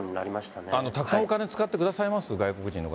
たくさんお金使ってくださいます？